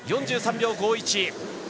４３秒５１。